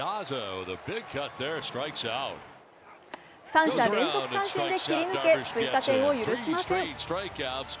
三者連続三振で切り抜け追加点を許しません。